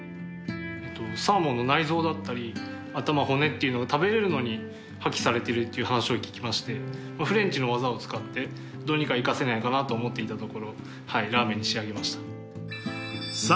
サーモンの内臓だったり頭骨っていうのは食べれるのに破棄されてるっていう話を聞きましてフレンチの技を使ってどうにか生かせないかなと思っていたところラーメンに仕上げました。